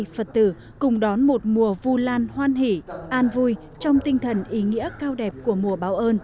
phật tử cùng đón một mùa vu lan hoan hỷ an vui trong tinh thần ý nghĩa cao đẹp của mùa báo ơn